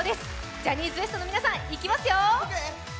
ジャニーズＷＥＳＴの皆さん、いきますよ！